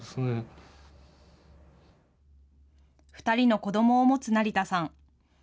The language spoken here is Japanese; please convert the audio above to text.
２人の子どもを持つ成田さん。